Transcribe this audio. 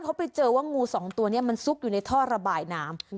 เขาไปเจอว่างูสองตัวนี้มันซุกอยู่ในท่อระบายน้ำ